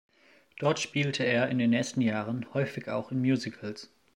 Dort spielte er in den nächsten Jahren häufig auch in Musicals.